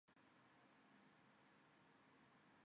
皱褶大蟾蟹为梭子蟹科大蟾蟹属的动物。